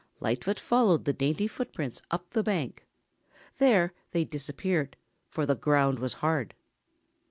Lightfoot followed the dainty footprints up the bank. There they disappeared, for the ground was hard.